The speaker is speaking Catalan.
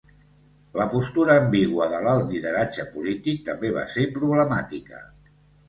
La postura ambigua de l'alt Lideratge polític també va ser problemàtica.